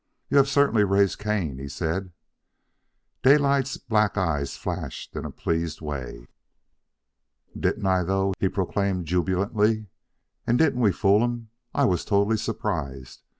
"You have certainly raised Cain," he said. Daylight's black eyes flashed in a pleased way. "Didn't I, though!" he proclaimed jubilantly. "And didn't we fool'em! I was totally surprised.